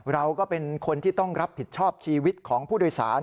เราก็เป็นคนที่ต้องรับผิดชอบชีวิตของผู้โดยสาร